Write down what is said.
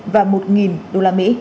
và một usd